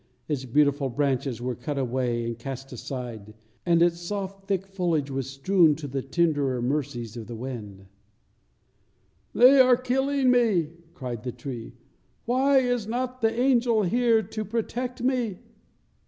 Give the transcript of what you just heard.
Its beautiful branches were cut away and cast aside, and its soft, thick foliage was strewn to the tenderer mercies of the winds. "They are killing me!" cried the tree; "why is not the angel here to protect me?"